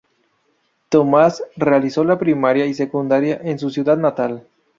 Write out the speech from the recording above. Tomás realizó la primaria y secundaria en su ciudad natal.